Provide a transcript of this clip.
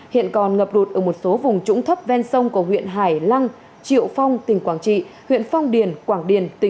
hiện còn ngập đột ở một số vùng trũng thấp ven sông của huyện hải lăng triệu phong tỉnh quảng trị